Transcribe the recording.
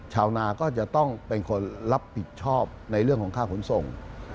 ชาวนาก็จะต้องเป็นคนรับผิดชอบในเรื่องของค่าขนส่ง